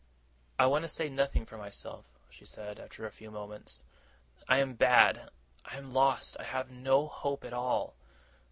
'I want to say nothing for myself,' she said, after a few moments. 'I am bad, I am lost. I have no hope at all.